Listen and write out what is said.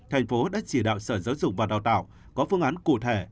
thành phố đã chỉ đạo sở giáo dục và đào tạo có phương án cụ thể